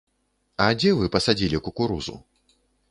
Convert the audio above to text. А дзе вы пасадзілі кукурузу?